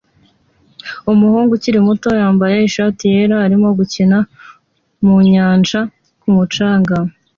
Umuhungu ukiri muto wambaye ishati yera arimo gukina mu nyanja ku mucanga